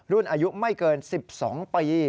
รุ่นอายุไม่เกิน๑๒ปี